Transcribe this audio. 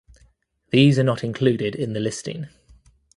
These are not included in the listing.